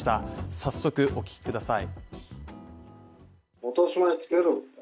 早速、お聞きください。